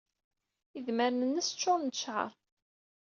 Idmaren-nnes ccuṛen d cceɛṛ.